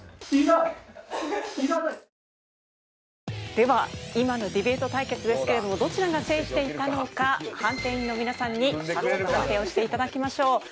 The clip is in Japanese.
では今のディベート対決ですけれどもどちらが制していたのか判定員の皆さんに早速判定をして頂きましょう。